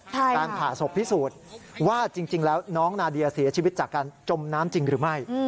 การผ่าศพพิสูจน์ว่าจริงแล้วน้องนาเดียเสียชีวิตจากการจมน้ำจริงหรือไม่